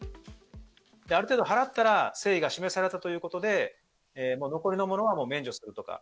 ある程度、払ったら誠意が示されたということで、残りのものは免除するとか。